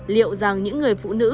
liệu rằng những người phụ nữ